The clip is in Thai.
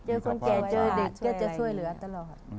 เจอคนเจ็ดเจอเด็กก็จะช่วยเหลือตลอด